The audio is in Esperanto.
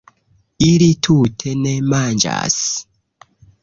Ili tute ne manĝas